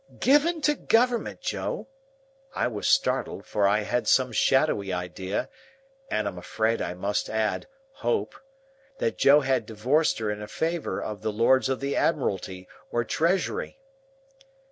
"Given to government, Joe?" I was startled, for I had some shadowy idea (and I am afraid I must add, hope) that Joe had divorced her in a favour of the Lords of the Admiralty, or Treasury.